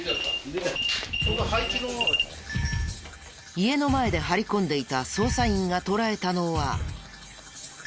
家の前で張り込んでいた捜査員が捉えたのは。